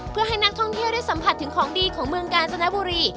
เพื่อให้นักท่องเที่ยวได้สัมผัสถึงของดีของเมืองกาญจนบุรี